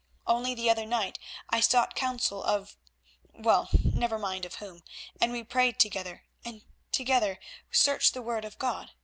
Only the other night I sought counsel of—well, never mind of whom—and we prayed together, and together searched the Word of God.